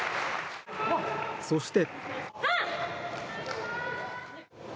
そして。